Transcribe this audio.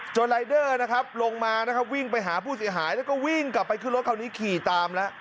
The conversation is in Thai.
รายเดอร์นะครับลงมานะครับวิ่งไปหาผู้เสียหายแล้วก็วิ่งกลับไปขึ้นรถคราวนี้ขี่ตามแล้ว